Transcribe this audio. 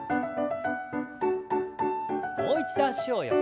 もう一度脚を横に。